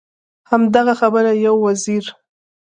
همدغه خبره یو وزیر.